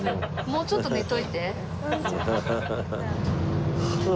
もうちょっと寝といて。